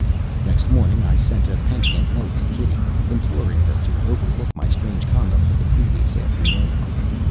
Next morning I sent a penitent note to Kitty, imploring her to overlook my strange conduct of the previous afternoon.